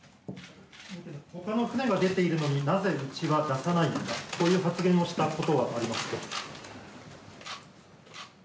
他の船が出ているのになぜ、うちは出さないんだという発言をしたことはありますか？